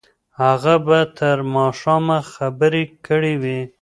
هغه به تر ماښامه خبرې کړې وي.